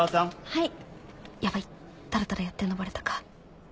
はい。